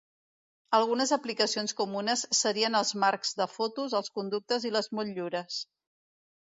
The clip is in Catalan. Algunes aplicacions comunes serien els marcs de fotos, els conductes i les motllures.